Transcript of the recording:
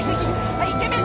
はいイケメン